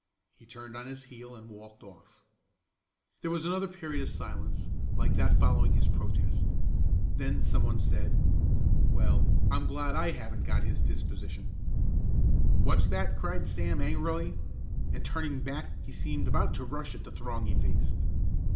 He turned on his heel and walked off. There was another period of silence like that following his protest. Then some one said: "Well, I'm glad I haven't got his disposition." "What's that?" cried Sam angrily, and turning back he seemed about to rush at the throng he faced.